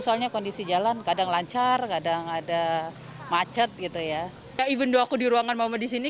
soalnya kondisi jalan kadang lancar kadang ada macet gitu ya event doaku di ruangan mama di sini